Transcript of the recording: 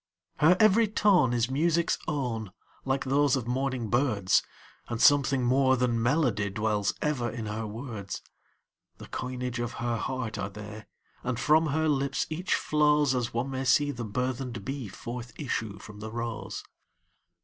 Her every tone is music's own, like those of morning birds, And something more than melody dwells ever in her words; The coinage of her heart are they, and from her lips each flowsAs one may see the burthened bee forth issue from the rose.